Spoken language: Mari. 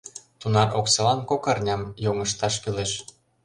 Тунар оксалан кок арням йоҥыжташ кӱлеш.